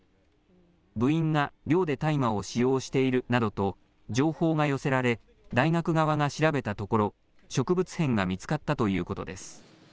部員が寮で大麻を使用しているなどと、情報が寄せられ、大学側が調べたところ、植物片が見つかったということです。